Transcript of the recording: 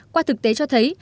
qua thực tế cho thấy